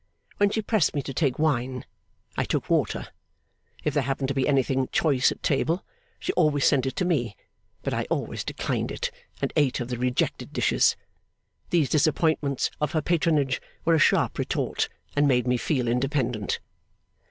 When she pressed me to take wine, I took water. If there happened to be anything choice at table, she always sent it to me: but I always declined it, and ate of the rejected dishes. These disappointments of her patronage were a sharp retort, and made me feel independent.